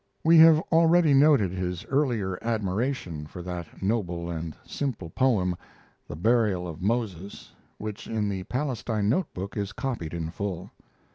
We have already noted his earlier admiration for that noble and simple poem, "The Burial of Moses," which in the Palestine note book is copied in full.